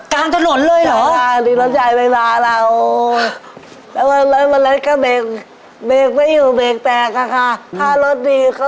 ค่ะไปดามกลางถนนเลยนะคะ